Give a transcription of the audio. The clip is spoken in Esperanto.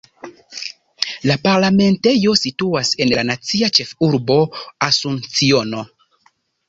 La parlamentejo situas en la nacia ĉefurbo Asunciono.